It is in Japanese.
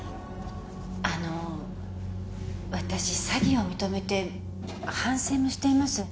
「あの私詐欺を認めて」反省もしています。